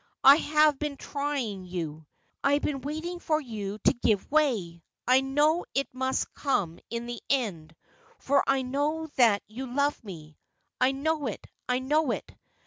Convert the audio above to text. I have been trying you. I have been waiting for you to give way. I knew it must come in the end, for I know that you love me — I know it — I know it.